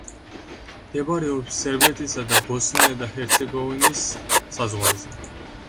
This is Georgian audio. მდებარეობს სერბეთისა და ბოსნია და ჰერცეგოვინის საზღვარზე.